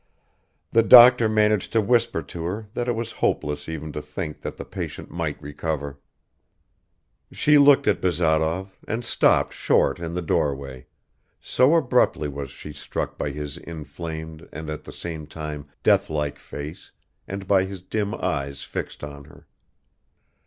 The doctor managed to whisper to her that it was hopeless even to think that the patient might recover. She looked at Bazarov, and stopped short in the doorway so abruptly was she struck by his inflamed and at the same time deathlike face and by his dim eyes fixed on her.